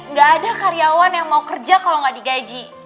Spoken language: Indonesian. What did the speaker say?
nggak ada karyawan yang mau kerja kalau nggak digaji